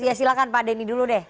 ya silahkan pak denny dulu deh